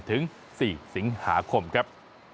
ถึง๔สิงหาคมครับ